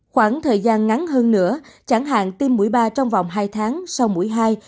khoảng thời gian ngắn hơn nữa chẳng hạn tiêm mũi ba trong vòng hai tháng sau mũi hai